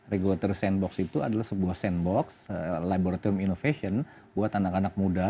regulator sandbox itu adalah sebuah sandbox laboratorium innovation buat anak anak muda